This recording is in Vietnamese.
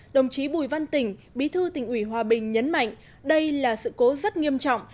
đồng chí bùi văn tỉnh bí thư tỉnh ủy hòa bình nhấn mạnh đây là sự cố rất nghiêm trọng